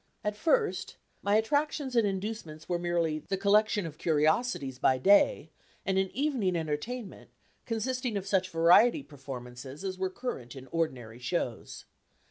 At first, my attractions and inducements were merely the collection of curiosities by day, and an evening entertainment, consisting of such variety performances as were current in ordinary shows.